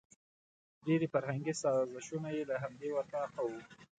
ډېري فرهنګي سازشونه یې له همدې وطاقه وو.